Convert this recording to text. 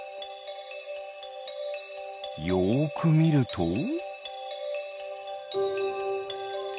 よくみると？